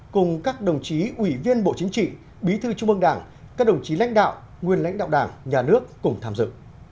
cùng các đồng chí ủy viên bộ chính trị bí thư trung ương đảng các đồng chí lãnh đạo nguyên lãnh đạo đảng nhà nước cùng tham dự